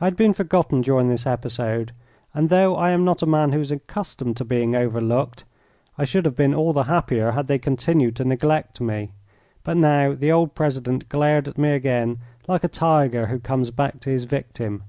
I had been forgotten during this episode, and though I am not a man who is accustomed to being overlooked I should have been all the happier had they continued to neglect me. But now the old president glared at me again like a tiger who comes back to his victim.